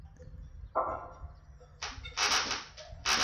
一些反应堆运行仅用于研究。